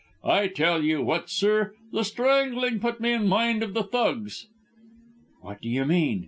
I tell you what, sir, the strangling put me in mind of the Thugs." "What do you mean?"